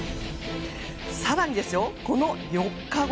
更に、この４日後